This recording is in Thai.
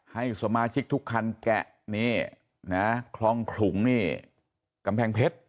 ให้สมาชิกทุกคันแกะนี่นะคลองขลุงนี่กำแพงเพชร